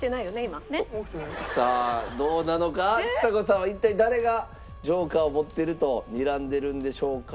ちさ子さんは一体誰がジョーカーを持っているとにらんでるんでしょうか？